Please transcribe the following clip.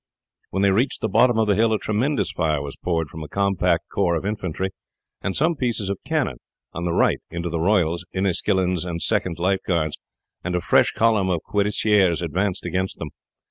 When they reached the bottom of the hill a tremendous fire was poured from a compact corps of infantry and some pieces of cannon on the right into the Royals, Inniskillens, and Second Life Guards, and a fresh column of cuirassiers advanced against them.